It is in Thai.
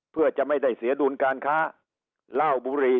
เพื่อจะไม่ได้เสียดุลการค้าเหล้าบุรี